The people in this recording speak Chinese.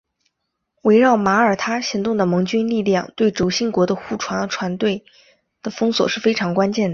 围绕马耳他行动的盟军力量对轴心国的护航船队的封锁是非常关键的。